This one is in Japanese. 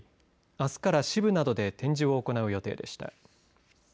あすから支部などで展示を行う予定でした。